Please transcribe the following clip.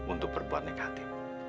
untuk berbuat negatif